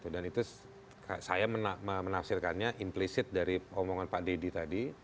dan itu saya menafsirkannya implicit dari omongan pak dedy tadi